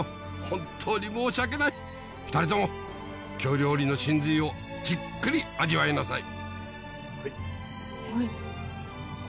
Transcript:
本当に申し訳ない２人とも京料理の神髄をじっくり味わいなさい